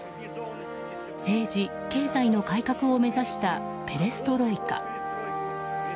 政治経済の改革を目指したペレストロイカ。